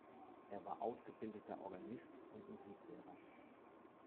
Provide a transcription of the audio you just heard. Er war ausgebildeter Organist und Musiklehrer.